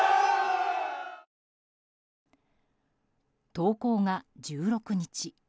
投稿が１６日。